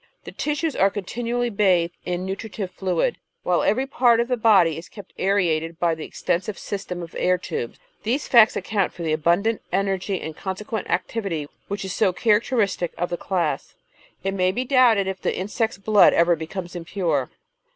The tissues are continually bathed in nutritive fluid, while every part of the body is kept aerated by the extensive system of air tubes. These facts account for the abundant energy and consequent activity which is so characteristic of the class. It may be doubted if the insect's blood ever becomes impure.